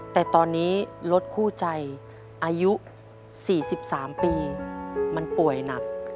แต่ตอนนี้รถคู่ใจอายุ๔๓ปีมันป่วยหนัก